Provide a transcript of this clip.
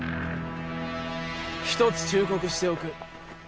一つ忠告しておく。